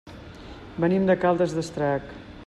Venim de Caldes d'Estrac.